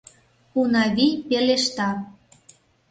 — Унавий пелешта.